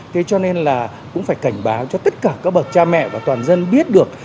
thế cho nên là cũng phải cảnh báo cho tất cả các bậc cha mẹ và toàn dân biết được